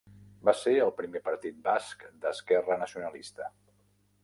Va ser el primer partit basc d'esquerra nacionalista.